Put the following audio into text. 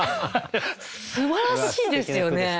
すばらしいですよね。